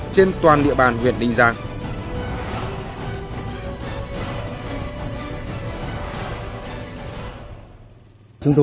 trên toàn địa bàn huyện ninh giang